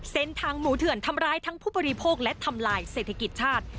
ทางหมูเถื่อนทำร้ายทั้งผู้บริโภคและทำลายเศรษฐกิจชาติ